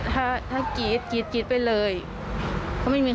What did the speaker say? ความโหโชคดีมากที่วันนั้นไม่ถูกในไอซ์แล้วเธอเคยสัมผัสมาแล้วว่าค